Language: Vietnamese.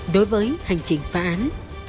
đối với hành trình phá án